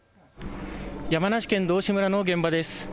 山梨県道志村の現場です。